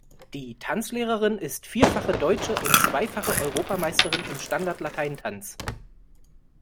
Die Tanzlehrerin ist vierfache deutsche und zweifache Europameisterin im Standart Latein Tanz.